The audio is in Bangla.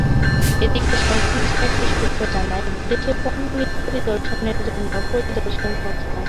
এদিকে সংশ্লিষ্ট একটি সূত্র জানায়, বিদেশে পণ্য পরিদর্শনের জন্য পরিদর্শন সংস্থা আছে।